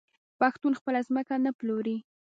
پښتون خپله ځمکه نه پلوري.